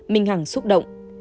mình hẳng xúc động